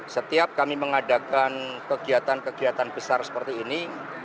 setiap kami mengadakan kegiatan kegiatan besar seperti ini